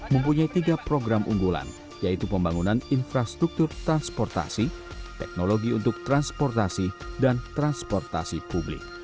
mempunyai tiga program unggulan yaitu pembangunan infrastruktur transportasi teknologi untuk transportasi dan transportasi publik